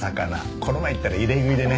この前行ったら入れ食いでね。